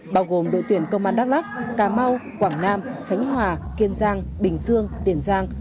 bao gồm đội tuyển công an đắk lắc cà mau quảng nam khánh hòa kiên giang bình dương tiền giang